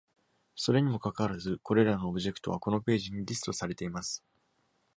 それにもかかわらず、これらのオブジェクトはこのページにリストされています。